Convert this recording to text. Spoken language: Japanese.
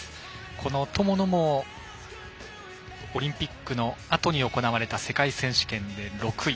この友野もオリンピックのあとに行われた世界選手権で６位。